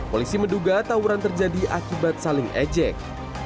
polisi menduga tawuran terjadi akibat saling ejek